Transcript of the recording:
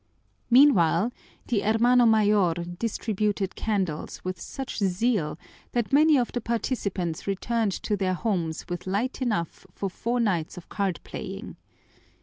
Meanwhile, the hermano mayor distributed candles with such zeal that many of the participants returned to their homes with light enough for four nights of card playing.